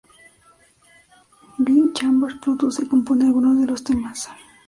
Guy Chambers produce y compone algunos de los temas.